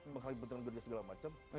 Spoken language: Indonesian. menghalang penteran gereja segala macam